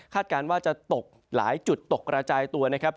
การว่าจะตกหลายจุดตกกระจายตัวนะครับ